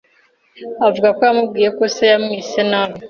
avuga ko yamubwiye ko Se yamwise nabi